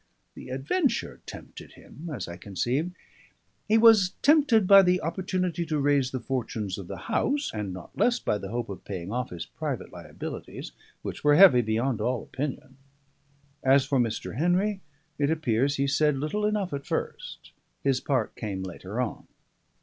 The adventure tempted him, as I conceive; he was tempted by the opportunity to raise the fortunes of the house, and not less by the hope of paying off his private liabilities, which were heavy beyond all opinion. As for Mr. Henry, it appears he said little enough at first; his part came later on.